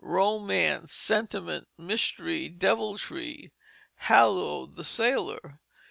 Romance, sentiment, mystery, deviltry, haloed the sailor.